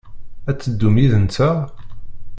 Ad teddum yid-nteɣ?